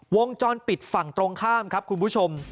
วงจรปิดฝั่งตรงข้ามครับคุณผู้ชม